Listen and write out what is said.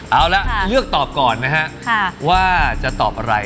เอาละเลือกตอบก่อนนะฮะว่าจะตอบอะไร